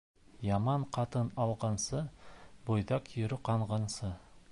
Яман ҡатын алғансы, буйҙаҡ йөрө ҡанғансы.